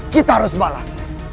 kita harus balas